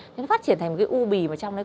nó phát triển thành một cái u bì mà trong nó có